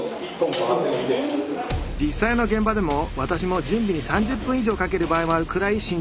実際の現場でも私も準備に３０分以上かける場合もあるくらい慎重になるものです。